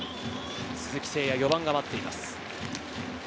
鈴木誠也・４番が待っています。